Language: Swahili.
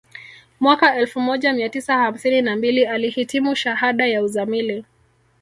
Mwaka elfu moja mia tisa hamsini na mbili alihitimu shahada ya uzamili